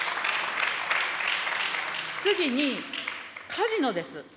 次に、カジノです。